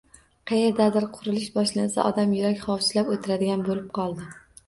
Qayerdadir qurilish boshlansa, odam yurak hovuchlab oʻtiradigan boʻlib qoldi.